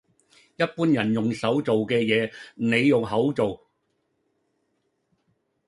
一般人用手做嘅嘢，你用口做